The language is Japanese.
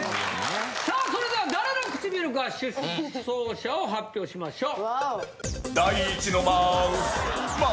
さあそれでは誰の唇か出走者を発表しましょう。